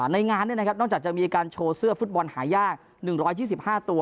ในงานนอกจากจะมีการโชว์เสื้อฟุตบอลหายาก๑๒๕ตัว